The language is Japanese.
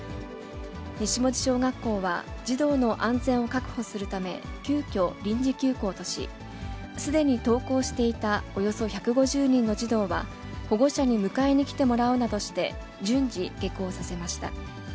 西門司小学校は、児童の安全を確保するため、急きょ、臨時休校とし、すでに登校していたおよそ１５０人の児童は、保護者に迎えに来てもらうなどして、順次、下校させました。